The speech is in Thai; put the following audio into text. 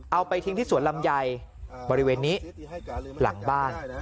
เอาไปทิ้งที่สวนลำไยบริเวณนี้หลังบ้าน